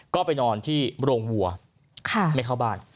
ก็ไปนอนที่โรงวัวไม่เข้าบ้าน